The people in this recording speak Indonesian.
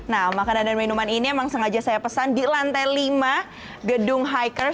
nah makanan dan minuman ini memang sengaja saya pesan di lantai lima gedung hikers